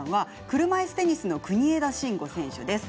車いすテニスの国枝慎吾選手です。